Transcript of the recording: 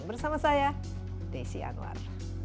bersama saya desi anwar